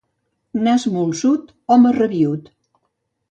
Nas molsut, home rabiüt.